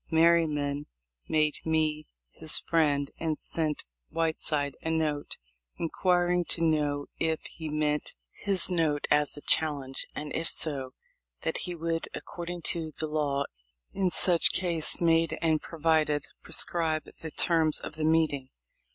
Merryman made me his friend, and sent Whiteside a note, inquiring to know if he meant his note as a challenge, and if so, that he would, according to the law in such case made and provided, prescribe the terms of the meeting.